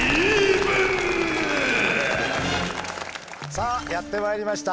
さあやってまいりました。